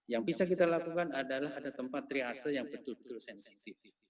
yang bisa kita lakukan adalah ada tempat triase yang betul betul sensitif